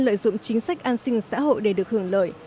lợi dụng chính sách an sinh xã hội để được hưởng lợi